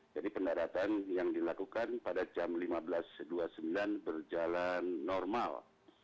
jadi pendaratan yang dilakukan pada jam lima belas dua puluh sembilan berjalan normal